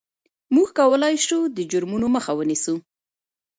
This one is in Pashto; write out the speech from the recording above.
موږ کولای شو د جرمونو مخه ونیسو.